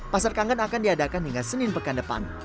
pasar kangen akan diadakan hingga senin pekan depan